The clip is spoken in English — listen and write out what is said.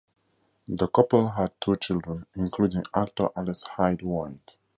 The couple had two children, including actor Alex Hyde-White.